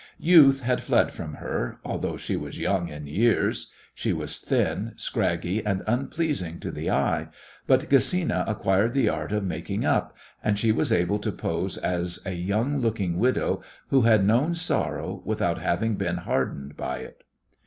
Youth had fled from her, although she was young in years. She was thin, scraggy, and unpleasing to the eye, but Gesina acquired the art of making up, and she was able to pose as a young looking widow who had known sorrow without having been hardened by it.